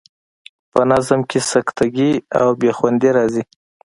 په نظم کې سکته ګي او بې خوندي راځي.